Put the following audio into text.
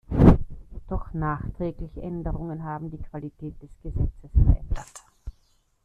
Doch nachträgliche Änderungen haben die Qualität des Gesetzes verändert.